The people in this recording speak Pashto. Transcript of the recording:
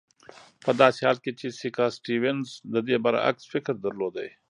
په داسې حال کې چې سیاکا سټیونز د دې برعکس فکر درلود.